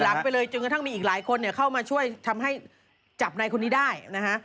ไปเลยจนกระทั่งมีอีกหลายคนเนี่ยเข้ามาช่วยทำให้จับในคนนี้ได้นะฮะ